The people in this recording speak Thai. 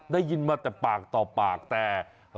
ได้ยินมาแต่ปากต่อปากแต่